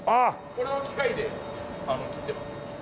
この機械で切ってます。